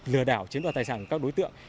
lừa đảo chiếm đoạt tài sản của các đối tượng